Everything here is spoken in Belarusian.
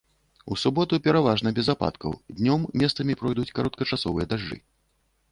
У суботу пераважна без ападкаў, днём месцамі пройдуць кароткачасовыя дажджы.